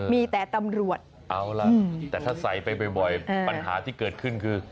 มีแต่ตำรวจเอาล่ะแต่ถ้าใส่ไปบ่อยปัญหาที่เกิดขึ้นคือ